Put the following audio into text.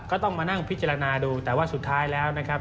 ก็ต้องมานั่งพิจารณาดูแต่ว่าสุดท้ายแล้วนะครับ